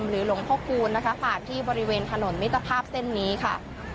หลวงพ่อคูณนะคะผ่านที่บริเวณถนนมิตรภาพเส้นนี้ค่ะ